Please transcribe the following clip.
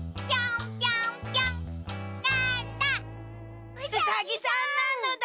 うさぎさんなのだ！